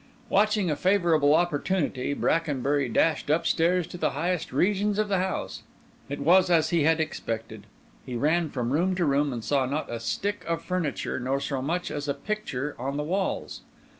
Watching a favourable opportunity, Brackenbury dashed upstairs to the highest regions of the house. It was as he had expected. He ran from room to room, and saw not a stick of furniture nor so much as a picture on the walls.